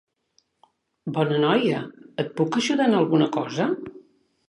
Bona noia, et puc ajudar en alguna cosa?